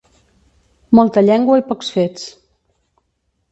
Molta llengua i pocs fets.